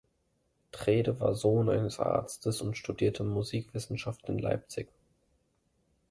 Trede war Sohn eines Arztes und studierte Musikwissenschaft in Leipzig.